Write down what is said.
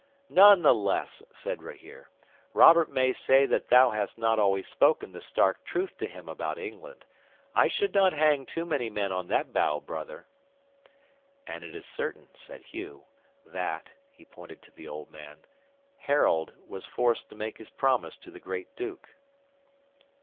'"None the less," said Rahere, "Robert may say that thou hast not always spoken the stark truth to him about England. I should not hang too many men on that bough, Brother." '"And it is certain," said Hugh, "that" he pointed to the old man "Harold was forced to make his promise to the Great Duke."